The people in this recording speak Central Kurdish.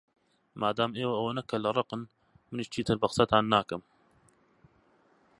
مادام ئێوە ئەوەندە کەللەڕەقن، منیش چیتر بە قسەتان ناکەم.